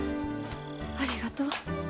ありがとう。